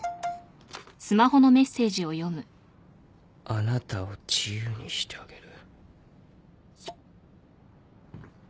「あなたを自由にしてあげる」